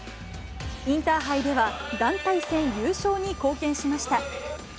インターハイでは団体戦優勝に貢献しました。